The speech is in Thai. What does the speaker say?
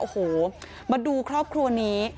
โอ้โหมาดูครอบครัวนี้